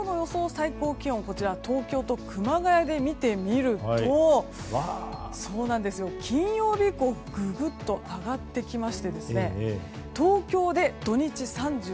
最高気温東京と熊谷で見てみると、金曜日以降ググっと上がってきまして東京で、土日３３度。